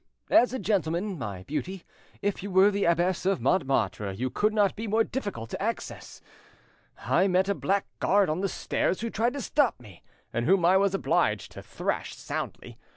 "As I am a gentleman, my beauty, if you were the Abbess of Montmartre, you could not be more difficult of access. I met a blackguard on the stairs who tried to stop me, and whom I was obliged to thrash soundly.